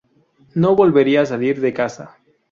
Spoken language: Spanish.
No volvería a salir de casa.